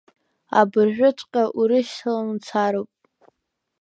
Абыржәыҵәҟьа урышьҭалан уцароуп!